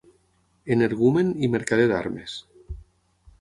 Energumen’ i ‘mercader d’armes’